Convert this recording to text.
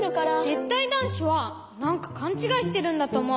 ぜったいだんしはなんかかんちがいしてるんだとおもう。